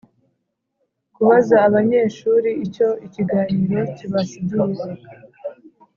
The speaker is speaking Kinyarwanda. Kubaza abanyeshuri icyo ikiganiro kibasigiye